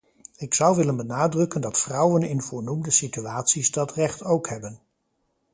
Ik zou willen benadrukken dat vrouwen in voornoemde situaties dat recht ook hebben.